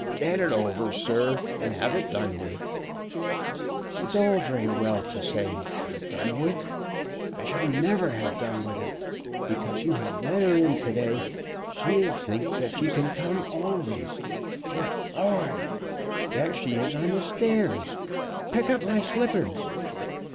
"Get it over, sir, and have done with it." "It's all very well to say have done with it. I shall never have done with it. Because you have let her in to day she'll think that she can come always. Good Lord! There she is on the stairs! Pick up my slippers."